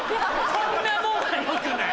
「こんなもん」はよくない。